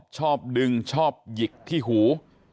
ชอบดึงชอบหยิกที่หู